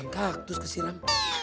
wang kaktus kesiram